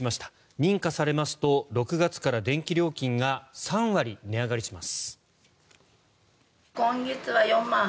認可されますと６月から電気料金が３割値上がりします。